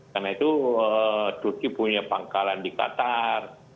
karena itu turki punya pangkalan di qatar